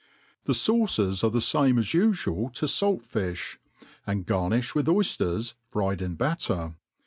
The fauces are the fame as ufual to falt fiih, and gainiih with oyders fried in batter.